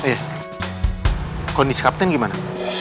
eh kondisi kapten gimana